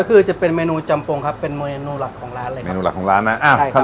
ก็คือจะเป็นเมนูจำปงครับเป็นเมนูหลักของร้านเลยนะเมนูหลักของร้านนะอ่าใช่ครับ